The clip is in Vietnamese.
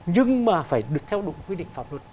nhưng mà phải được theo đúng quy định pháp luật